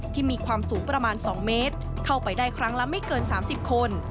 มีความสูงประมาณ๒เมตรเข้าไปได้ครั้งละไม่เกิน๓๐คน